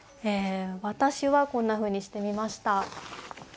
私はこんなふうにしてみました。